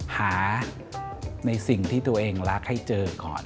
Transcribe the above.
หาในสิ่งที่ตัวเองรักให้เจอก่อน